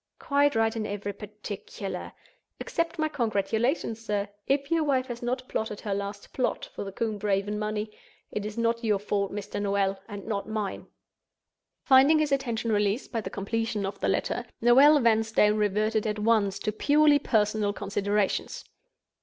Quite right in every particular. Accept my congratulations, sir. If your wife has not plotted her last plot for the Combe Raven money, it is not your fault, Mr. Noel—and not mine!" Finding his attention released by the completion of the letter, Noel Vanstone reverted at once to purely personal considerations.